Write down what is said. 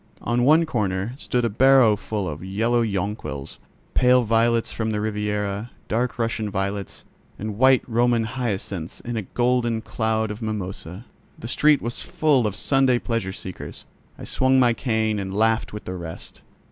On one corner stood a barrow full of yellow jonquils, pale violets from the Riviera, dark Russian violets, and white Roman hyacinths in a golden cloud of mimosa. The street was full of Sunday pleasure seekers. I swung my cane and laughed with the rest.